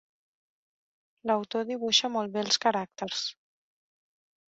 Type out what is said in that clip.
L'autor dibuixa molt bé els caràcters.